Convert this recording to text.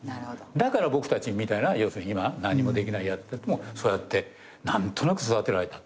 だから僕たちみたいな要するに今何もできないそうやって何となく育てられたって。